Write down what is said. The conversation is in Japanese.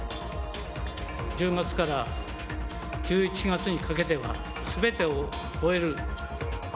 １０月から１１月にかけては、すべてを終える。